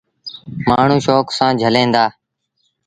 مآڻهوٚݩ شوڪ سآݩ جھليٚن دآ۔